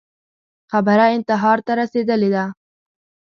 خبره انتحار ته رسېدلې ده